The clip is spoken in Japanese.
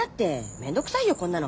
面倒くさいよこんなの。